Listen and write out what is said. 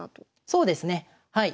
そうですねはい。